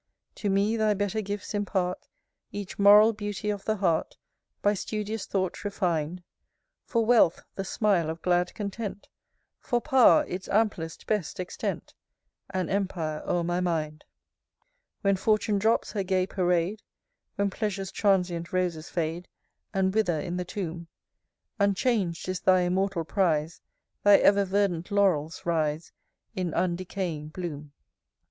To me thy better gifts impart, Each moral beauty of the heart, By studious thought refin'd; For wealth, the smile of glad content; For pow'r, its amplest, best extent, An empire o'er my mind. VIII. When Fortune drops her gay parade. When Pleasure's transient roses fade, And wither in the tomb, Unchang'd is thy immortal prize; Thy ever verdant laurels rise In undecaying bloom.